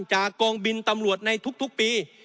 จากกองบินตำรวจในทุกปี